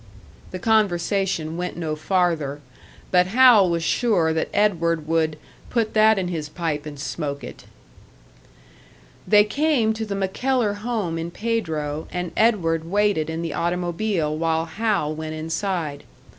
The conversation went no farther but Hal was sure that Edward would "put that in his pipe and smoke it." They came to the MacKellar home in Pedro, and Edward waited in the automobile while Hal went inside.